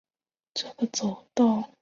这个走道连起来